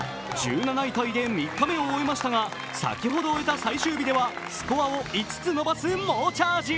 １７位タイで３日目を終えましたが先ほど終えた最終日ではスコアを５つ伸ばす猛チャージ。